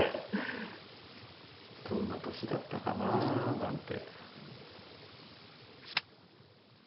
どんな年だったかなぁなんて。